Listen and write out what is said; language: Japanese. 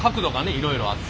いろいろあって。